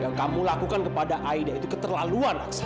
yang kamu lakukan kepada aida itu keterlaluan